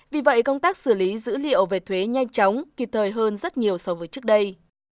vì vậy công tác xử lý dữ liệu về thuế nhanh chóng kịp thời hơn rất nhiều so với trước đây